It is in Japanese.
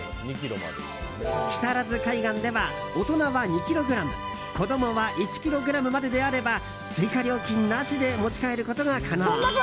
木更津海岸では大人は２ｋｇ子供は１ｋｇまでであれば追加料金なしで持ち帰ることが可能。